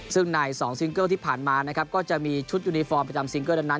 ซึ่งใน๒ซิงเกิลที่ผ่านมานะครับก็จะมีชุดยูนิฟอร์มประจำซิงเกิลนั้น